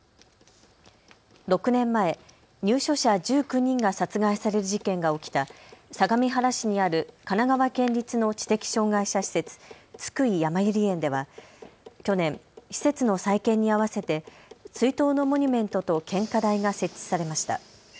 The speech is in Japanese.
６年前、入所者１９人が殺害される事件が起きた相模原市にある神奈川県立の知的障害者施設、津久井やまゆり園では去年、施設の再建に合わせて追悼のモニュメントと献花台が設置されました。